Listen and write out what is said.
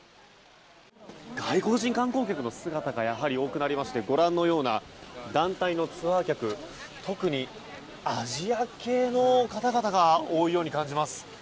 外国人観光客の姿がやはり多くなりましてご覧のような団体のツアー客特にアジア系の方々が多いように感じます。